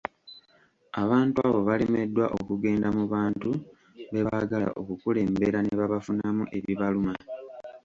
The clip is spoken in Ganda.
Abantu abo balemeddwa okugenda mu bantu bebaagala okukulembera ne babafunamu ebibaluma.